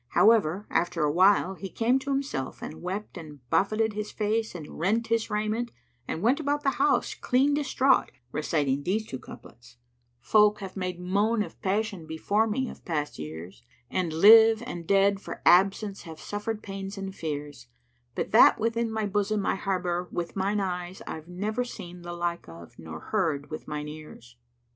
However, after a while, he came to himself and wept and buffeted his face and rent his raiment and went about the house clean distraught, reciting these two couplets,[FN#100] "Folk have made moan of passion before me, of past years, * And live and dead for absence have suffered pains and fears; But that within my bosom I harbour, with mine eyes * I've never seen the like of nor heard with mine ears."